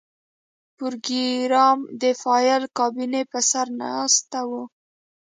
پروګرامر د فایل کابینې په سر ناست و